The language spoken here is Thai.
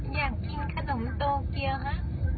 อยากกินขนมโตเกียนะ